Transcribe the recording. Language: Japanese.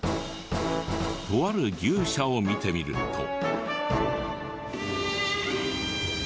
とある牛舎を見てみると。